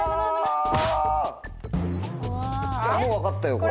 もう分かったよ。